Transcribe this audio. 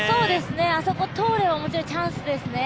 あそこ通ればもちろんチャンスですね。